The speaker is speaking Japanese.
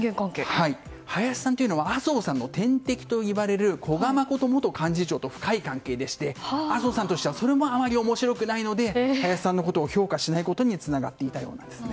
林さんというのは麻生さんの天敵といわれる古賀誠元幹事長と深い関係でして麻生さんとしてはそれもあまり面白くないので林さんのことを評価しないことにつながっていたようなんですね。